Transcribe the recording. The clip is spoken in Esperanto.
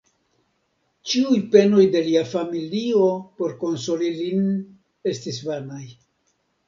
Ĉiuj penoj de lia familio, por konsoli lin, estis vanaj.